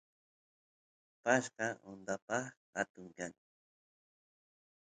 pashqa andapa atun kan